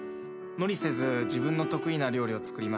無理せず自分の得意な料理を作りました。